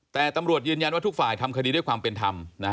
แต่ตำรวจยืนยันว่าทุกฝ่ายทำคดีด้วยความเป็นธรรม